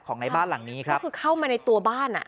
ของในบ้านหลังนี้ครับเข้ามาในตัวบ้าน